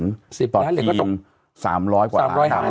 ต่อที๓๐๐กว่าล้านบาท